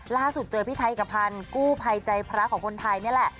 ล่าสุดเจอพี่ไทยเอกพันธ์กู้ภัยใจพระของคนไทยนี่แหละ